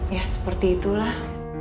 ya seperti itu lah